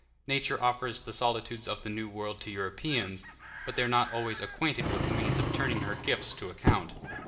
Nature offers the solitudes of the New World to Europeans; but they are not always acquainted with the means of turning her gifts to account.